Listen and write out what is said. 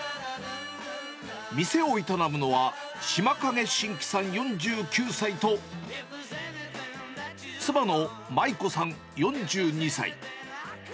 店を営むのは、島影しんきさん４９歳と、妻の舞子さん４２歳。